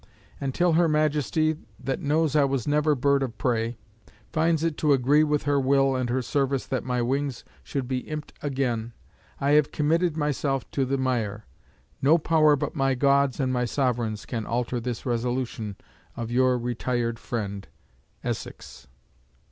And till her Majesty, that knows I was never bird of prey, finds it to agree with her will and her service that my wings should be imped again, I have committed myself to the mire. No power but my God's and my Sovereign's can alter this resolution of "Your retired friend, "ESSEX."